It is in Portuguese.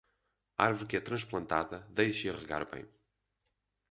Árvore que é transplantada, deixe-a regar bem.